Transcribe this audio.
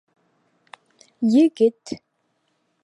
Егет